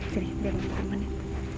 dari biar mama temanin